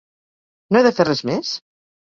No he de fer res més?